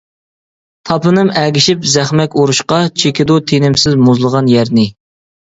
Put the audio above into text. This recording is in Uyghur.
تاپىنىم ئەگىشىپ زەخمەك ئۇرۇشقا، چېكىدۇ تېنىمسىز مۇزلىغان يەرنى.